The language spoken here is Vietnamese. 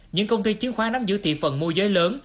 những công ty chiến khoán nắm giữ thị phần mua giới lớn